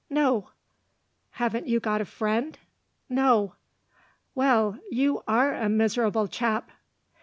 "No." "Haven't you got a friend?" "No." "Well, you are a miserable chap!"